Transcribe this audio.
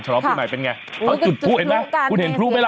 ลองปีใหม่เป็นไงเขาจุดพลุเห็นไหมคุณเห็นพลุไหมล่ะ